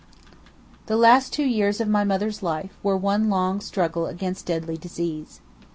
The last two years of my mother's life were one long struggle against deadly disease.